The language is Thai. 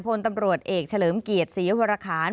พลตำรวจเอกเฉลิมเกียรติศรีวรคาร